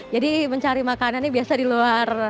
jadi mencari makanan ini biasa di luar